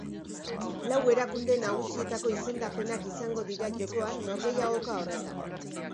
Lau erakunde nagusietako izendapenak izango dira jokoan norgehiagoka horretan.